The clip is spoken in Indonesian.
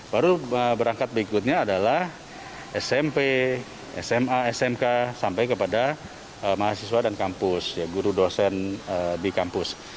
baru berangkat berikutnya adalah smp sma smk sampai kepada mahasiswa dan kampus guru dosen di kampus